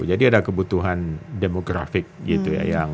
jadi ada kebutuhan demografis gitu ya